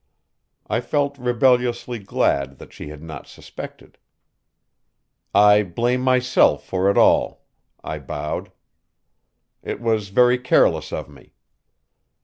I felt rebelliously glad that she had not suspected. "I blame myself for it all," I bowed. "It was very careless of me."